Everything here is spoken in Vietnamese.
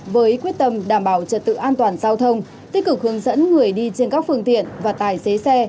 với quyết tâm đảm bảo trật tự an toàn giao thông tích cực hướng dẫn người đi trên các phương tiện và tài xế xe